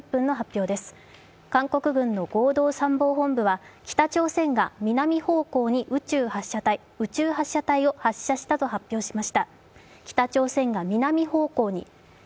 韓国軍の合同参謀本部は北朝鮮が南方向に宇宙発射体を発射したと発表しました。